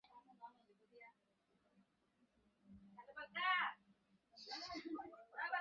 তথাপি মনকে প্রবোধ দিয়া থাকেন যে, কোন প্রজাকে ডরাই না!